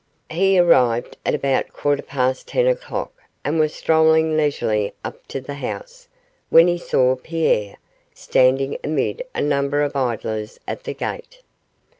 He arrived about a quarter past ten o'clock, and was strolling leisurely up to the house, when he saw Pierre, standing amid a number of idlers at the gate.